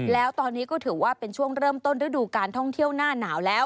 แล้วตอนนี้ก็ถือว่าเป็นช่วงเริ่มต้นฤดูการท่องเที่ยวหน้าหนาวแล้ว